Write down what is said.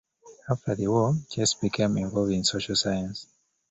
After the war, Chase became involved in social science.